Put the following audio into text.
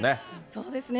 そうですね。